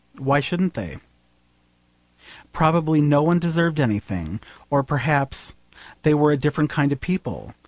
Why shouldn't they? Probably no one deserved anything. Or perhaps they were a different kind of people.